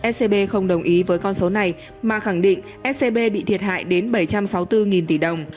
scb không đồng ý với con số này mà khẳng định scb bị thiệt hại đến bảy trăm sáu mươi bốn tỷ đồng